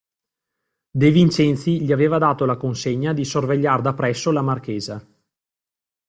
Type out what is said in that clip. De Vincenzi gli aveva dato la consegna di sorvegliar da presso la marchesa.